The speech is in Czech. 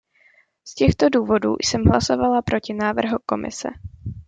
Z těchto důvodů jsem hlasovala proti návrhu Komise.